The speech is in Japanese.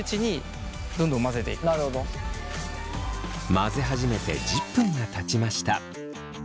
混ぜ始めて１０分がたちました。